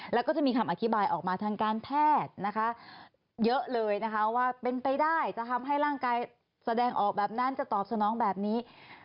แล้วก็จะมีคำอธิบายออกมาทางการแพทย์นะคะเยอะเลยนะคะว่าเป็นไปได้จะทำให้ร่างกายแสดงออกแบบนั้นจะตอบสนองแบบนี้